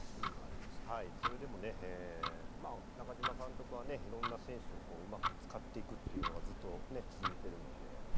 それでも中嶋監督はいろんな選手をうまく使っていくというのがずっと続いているので。